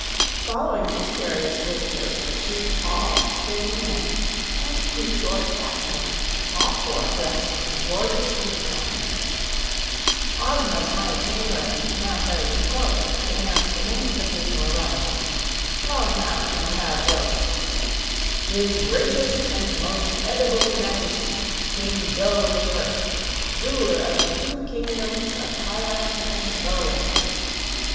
Following these curious visitors were two tall, thin men and two short, fat men, all four dressed in gorgeous uniforms. Ozma's High Chamberlain now hurried forward to announce the names of the new arrivals, calling out in a loud voice: "His Gracious and Most Edible Majesty, King Dough the First, Ruler of the Two Kingdoms of Hiland and Loland.